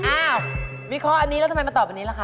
อ้าววิเคราะห์อันนี้แล้วทำไมมาตอบอันนี้ล่ะคะ